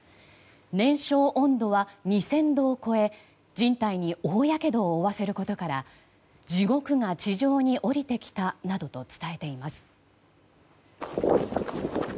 燃焼温度は２０００度を超え人体に大やけどを負わせることから地獄が地上に降りてきたなどと伝えています。